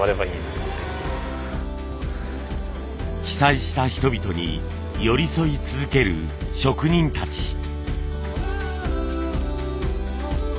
被災した人々に寄り添い続ける職人たち。